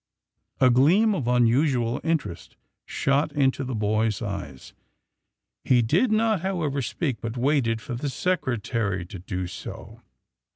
A gleam of unusual interest shot into the boy's AND THE SMUGGLERS 13 eyes. He did not, however, speak, but waited for the Secretary to do so.